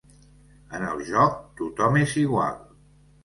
En el joc tothom és igual.